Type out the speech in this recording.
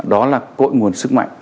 đó là cội nguồn sức mạnh